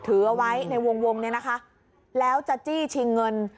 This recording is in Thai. ถือเอาไว้ในวงเนี่ยนะคะแล้วจะจี้ชิงเงิน